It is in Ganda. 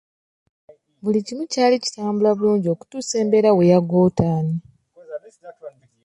Buli kimu kyali kitambula bulungi okutuusa embeera lwe yagootaana.